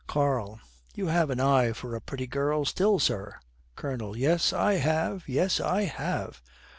KARL. 'You have an eye for a pretty girl still, sir!' COLONEL. 'Yes, I have; yes, I have!'